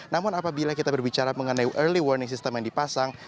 namun apabila kita berbicara mengenai early warning system yang dipasang